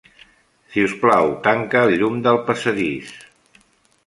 Si us plau, tanca el llum del passadís.